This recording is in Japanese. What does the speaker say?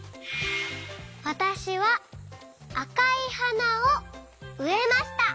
わたしはあかいはなをうえました。